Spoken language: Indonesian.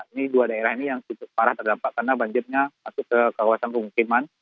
ini dua daerah ini yang cukup parah terdampak karena banjirnya masuk ke kawasan pemukiman